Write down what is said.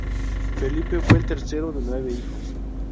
Felipe fue el tercero de nueve hijos.